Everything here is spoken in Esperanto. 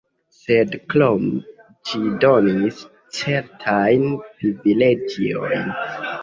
Sed krome ĝi donis certajn privilegiojn.